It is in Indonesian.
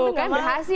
tuh kan berhasil